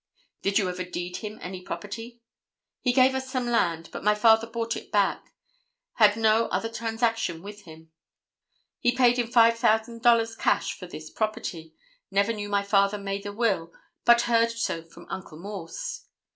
"Did you ever deed him any property?" "He gave us some land, but my father bought it back. Had no other transaction with him. He paid in five thousand dollars cash for this property. Never knew my father made a will, but heard so from Uncle Morse."